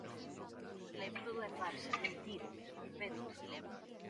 Mais todo é farsa, mentira, esperpento.